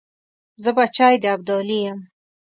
زه بچی د ابدالي یم .